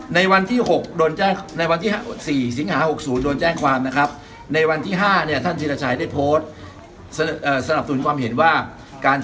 ในวันที่๔สิงหา๖๐โดนแจ้งความในวันที่๕ท่านธิรชัยพูดสนับสนุนความเห็นว่า